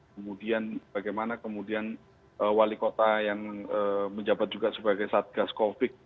kemudian bagaimana kemudian wali kota yang menjabat juga sebagai satgas covid